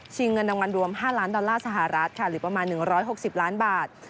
เงินรางวัลรวม๕ล้านดอลลาร์สหรัฐค่ะหรือประมาณ๑๖๐ล้านบาท